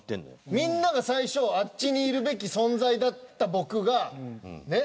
みんなが最初あっちにいるべき存在だった僕がねっ。